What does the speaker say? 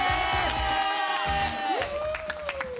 イエーイ！